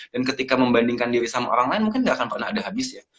dan ketika membandingkan diri sama orang lain mungkin gak akan pernah ada habis ya